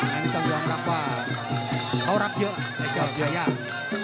นั้นต้องยอมรับว่าเขารับเยอะแต่เจอบเยอะยาก